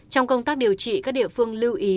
trong công tác điều trị các địa phương lưu ý